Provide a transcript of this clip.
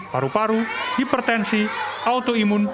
paru paru hipertensi autoimun